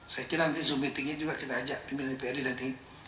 saya kira nanti zoom meetingnya juga kita ajak pimpinan dprd nanti